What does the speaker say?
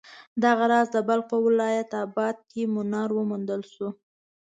دغه راز د بلخ په دولت اباد کې منار وموندل شو.